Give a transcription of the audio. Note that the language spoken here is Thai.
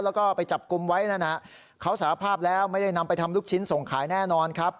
แล้วก็ไปจับกลุ่มไว้นั่นนะเขาสารภาพแล้วไม่ได้นำไปทำลูกชิ้นส่งขายแน่นอนครับ